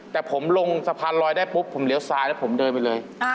แต่ผมลงสะพานลอยได้ปุ๊บผมเลี้ยวซ้ายแล้วผมเดินไปเลย